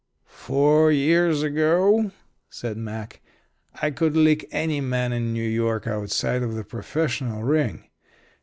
"Four years ago," said Mack, "I could lick any man in New York outside of the professional ring.